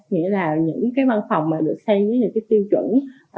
nghĩa là những cái văn phòng mà được xây với những cái tiêu chuẩn